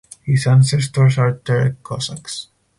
His ancestors are Terek Cossacks.